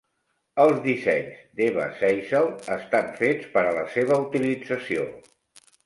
Els dissenys d"Eva Zeisel estan fets per a la seva utilització.